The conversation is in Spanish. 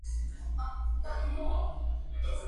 Jugó de defensa como lateral derecho.